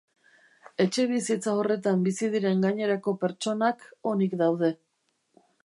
Etxebizitza horretan bizi diren gainerako pertsonak onik daude.